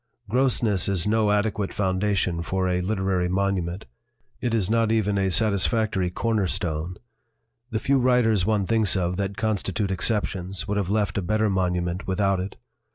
Grossness is no adequate foundation for a literary monument; it is not even a satisfactory corner stone. The few writers one thinks of that constitute exceptions would have left a better monument without it.